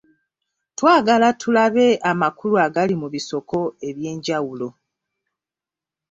Twagala tulabe amakulu agali mu bisoko eby’enjawulo.